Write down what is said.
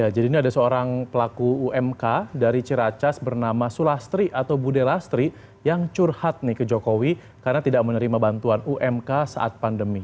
jadi ini ada seorang pelaku umk dari ciracas bernama sulastri atau budelastri yang curhat ke jokowi karena tidak menerima bantuan umk saat pandemi